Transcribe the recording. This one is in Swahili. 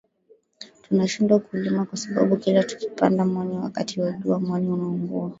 Tunashindwa kulima kwa sababu kila tukipanda mwani wakati wa jua mwani unaungua